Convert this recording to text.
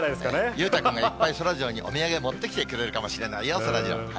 裕太君が、いっぱいそらジローにお土産、持ってきてくれるかもしれないよ、そらジロー。